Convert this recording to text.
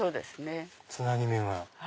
つなぎ目が。